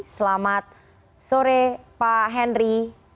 selamat sore pak henry